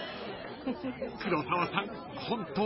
［黒沢さん